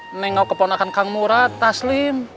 menengok keponakan kang murad taslim